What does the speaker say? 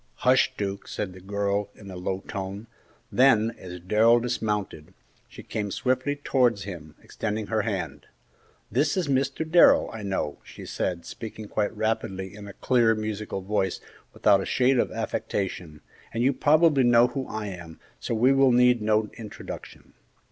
"Hush, Duke!" said the girl, in a low tone; then, as Darrell dismounted, she came swiftly towards him, extending her hand. "This is Mr. Darrell, I know," she said, speaking quite rapidly in a clear, musical voice, without a shade of affectation, "and you probably know who I am, so we will need no introduction."